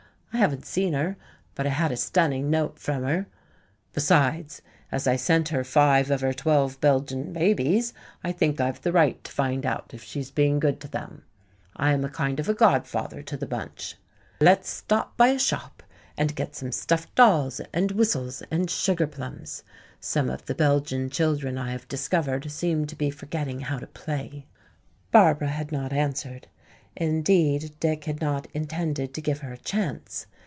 I haven't seen her, but I had a stunning note from her. Besides, as I sent her five of her twelve Belgian babies, I think I've the right to find out if she is being good to them. I am a kind of a godfather to the bunch. Let's stop by a shop and get some stuffed dolls and whistles and sugar plums. Some of the Belgian children I have discovered seemed to be forgetting how to play." Barbara had not answered. Indeed, Dick had not intended to give her a chance.